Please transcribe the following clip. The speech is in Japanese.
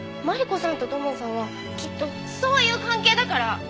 マリコさんと土門さんはきっとそういう関係だから！